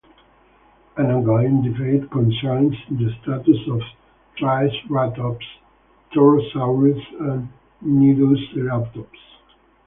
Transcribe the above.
An ongoing debate concerns the status of "Triceratops", "Torosaurus", and "Nedoceratops".